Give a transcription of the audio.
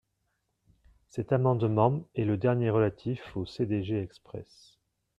Cet amendement est le dernier relatif au CDG Express.